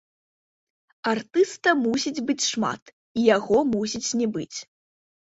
Артыста мусіць быць шмат, і яго мусіць не быць.